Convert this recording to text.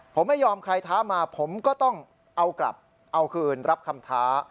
ผมไม่ยอมใครท้ามาผมก็ต้องเอากลับเอาคืนรับคำท้า